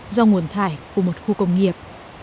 do nguồn thải của một khu công nghiệp